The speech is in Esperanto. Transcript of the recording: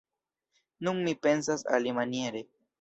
Nun mi pensas alimaniere.